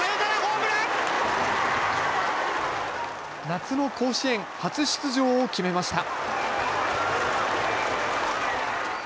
夏の甲子園初出場を決めました。